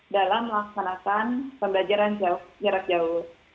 dalam melaksanakan pembelajaran jarak jauh